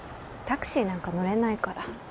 タクシーなんか乗れないから。